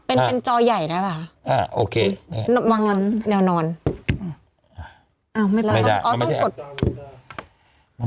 เป็นจอใหญ่ได้ป่าวก็ไม่ได้ต้องกด